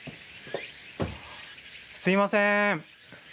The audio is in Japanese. すいません！